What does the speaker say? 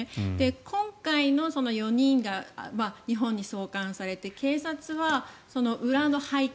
今回の４人が日本に送還されて警察は裏の背景